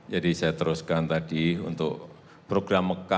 jadi saya teruskan tadi untuk program mekar